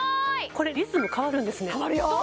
これリズム変わるんですね変わるよ